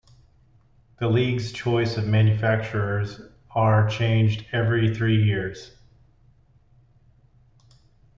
The league's choice of manufacturers are changed every three years.